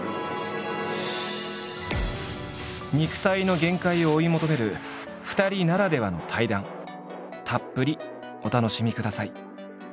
肉体の限界を追い求める２人ならではの対談たっぷりお楽しみください。